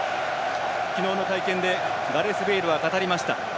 昨日の会見でガレス・ベイルは語りました。